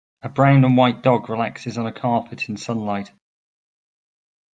A brown and white dog relaxes on a carpet in sunlight.